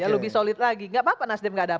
lebih solid lagi gak apa apa nasdem gak dapet